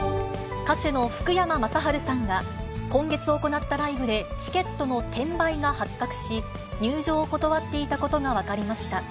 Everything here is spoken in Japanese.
歌手の福山雅治さんが、今月行ったライブでチケットの転売が発覚し、入場を断っていたことが分かりました。